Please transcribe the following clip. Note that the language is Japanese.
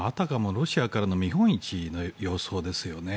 ロシアからの見本市の様相ですよね。